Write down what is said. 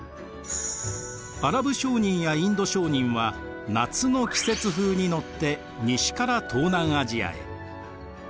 アラブ商人やインド商人は夏の季節風に乗って西から東南アジアへ。